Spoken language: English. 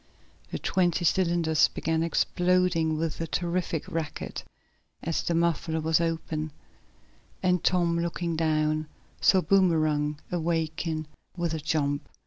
The twenty cylinders began exploding with a terrific racket, as the muffler was open, and Tom, looking down, saw Boomerang awaken with a jump.